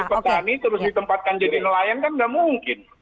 jadi petani terus ditempatkan jadi nelayan kan gak mungkin